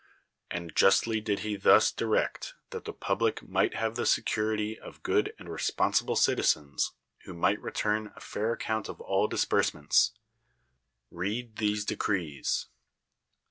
And justly did he thus di rect, that the public might have the security of good and responsible citizens who might re turn a fair account of all disbursements. Read these decrees.